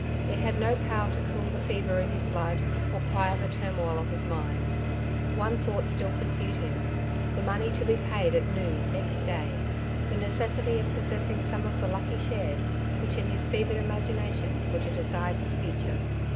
It had no power to cool the fever in his blood, or quiet the turmoil of his mind. One thought still pursued k 200 " Two Sides to every Question!^ him — the moDey to be paid at noon next day — the necessity of possessing some of the lucky shares, which in his fevered imagination were to decide his future.